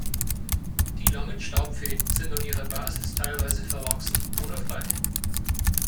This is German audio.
Die langen Staubfäden sind an ihrer Basis teilweise verwachsen oder frei.